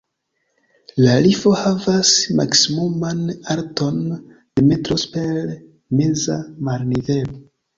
La rifo havas maksimuman alton de metro super meza marnivelo.